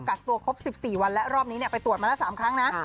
กักตัวครบ๑๔วันและรอบนี้ไปตรวจมาแล้ว๓ครั้งนะ